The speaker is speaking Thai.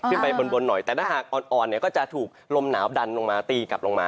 ขึ้นไปบนหน่อยแต่ถ้าหากอ่อนเนี่ยก็จะถูกลมหนาวดันลงมาตีกลับลงมา